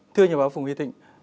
thưa nhà báo phùng huy thịnh